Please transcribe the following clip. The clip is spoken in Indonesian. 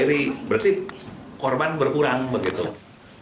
berarti korban berkurang begitu